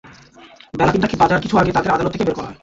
বেলা তিনটা বাজার কিছু আগে তাঁদের আদালত থেকে বের করা হয়।